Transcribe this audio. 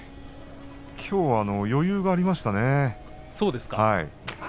きょうは余裕がありましたね。